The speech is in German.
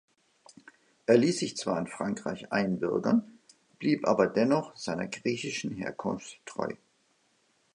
Er ließ sich zwar in Frankreich einbürgern, blieb aber dennoch seiner griechischen Herkunft treu.